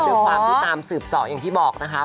ด้วยความที่ตามสืบสออย่างที่บอกนะคะ